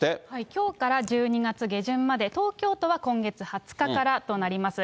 きょうから１２月下旬まで、東京都は今月２０日からとなります。